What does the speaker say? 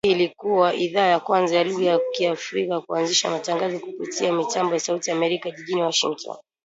Hii ilikua idhaa ya kwanza ya lugha ya Kiafrika kuanzisha matangazo kupitia mitambo ya Sauti ya Amerika jijini Washington.